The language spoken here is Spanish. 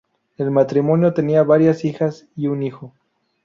El matrimonio tenía varias hijas y un hijo.